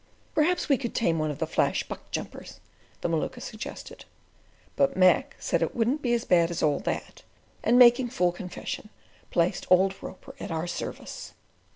Perhaps we could tame one of the flash buck jumpers, the Maluka suggested. But Mac said it "wouldn't be as bad as that," and, making full confession, placed old Roper at our service.